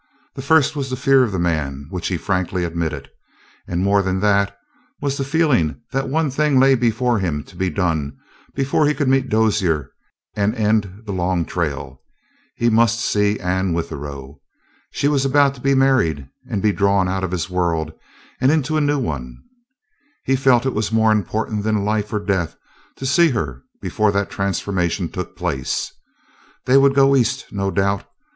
There was first the fear of the man which he frankly admitted, and more than that was the feeling that one thing lay before him to be done before he could meet Dozier and end the long trail. He must see Anne Withero. She was about to be married and be drawn out of his world and into a new one. He felt it was more important than life or death to see her before that transformation took place. They would go East, no doubt.